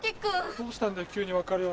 どうしたんだよ